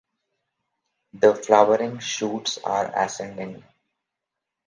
The flowering shoots are ascending.